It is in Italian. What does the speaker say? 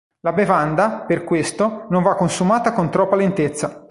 La bevanda, per questo, non va consumata con troppa lentezza.